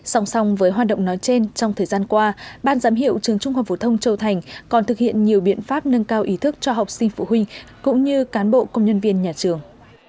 song song với hoạt động nói trên trong thời gian qua ban giám hiệu trường trung học phổ thông châu thành còn thực hiện nhiều biện pháp nâng cao ý thức cho học sinh phụ huynh cũng như cán bộ công nhân viên nhà trường